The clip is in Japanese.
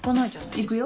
行くよ。